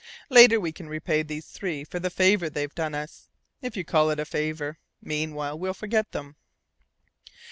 Later we can repay these three for the favour they've done us, if you call it a favour. Meanwhile, we'll forget them."